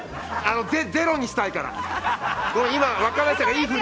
ゼロにしたいから。